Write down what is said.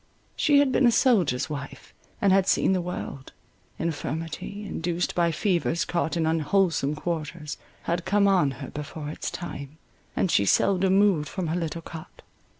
She had been a soldier's wife, and had seen the world; infirmity, induced by fevers caught in unwholesome quarters, had come on her before its time, and she seldom moved from her little cot.